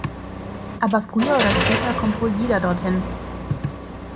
Aber früher oder später kommt wohl jeder dorthin!